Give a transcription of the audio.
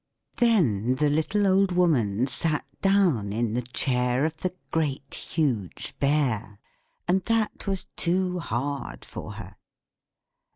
Then the little Old Woman sat down in the chair of the Great, Huge Bear, but that was too hard.